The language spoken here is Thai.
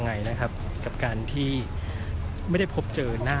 ไม่ใช่นี่คือบ้านของคนที่เคยดื่มอยู่หรือเปล่า